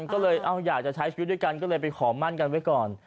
ก็เลยอยากจะใช้ชีวิตด้วยกันก็เลยไปขอมั่นกันไว้ก่อน